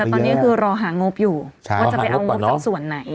แต่ตอนนี้ก็คือรอหางบอยู่ว่าจะไปเอางบจากส่วนไหน